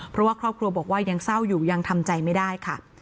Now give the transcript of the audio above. เพราะว่าครอบครัวบอกว่ายังเศร้าอยู่ยังทำใจไม่ได้ค่ะ